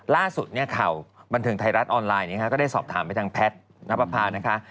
ล่าสุดข่าวบันเทิงไทยรัฐออนไลน์ก็ได้สอบถามไปทางแพทย์นับประพานะคะ